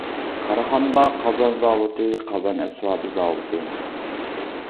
كارخانىلار قازان زاۋۇتى، قازان ئەسۋابى زاۋۇتى.